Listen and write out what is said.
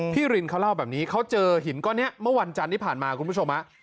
รินเขาเล่าแบบนี้เขาเจอหินก้อนนี้เมื่อวันจันทร์ที่ผ่านมาคุณผู้ชมฮะ